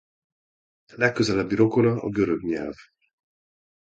Legközelebbi rokona a görög nyelv.